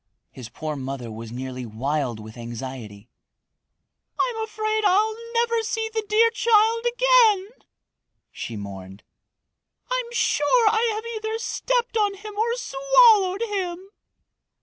His poor mother was nearly wild with anxiety. "I'm afraid I'll never see the dear child again," she mourned. "I'm sure I have either stepped on him or swallowed him!"